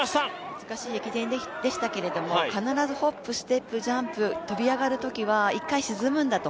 難しい駅伝でしたけれども、必ずホップ・ステップ・ジャンプ跳び上がるときは一回沈むんだと。